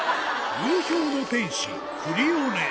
流氷の天使、クリオネ。